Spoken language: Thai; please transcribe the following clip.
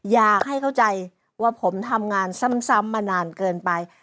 อยากให้เข้าใจว่าผมทำงานซ้ำมานานเกินไป